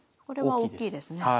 これは大きいですね。